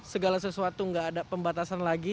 segala sesuatu nggak ada pembatasan lagi